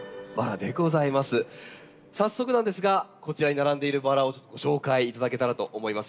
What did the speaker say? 早速なんですがこちらに並んでいるバラをご紹介いただけたらと思います。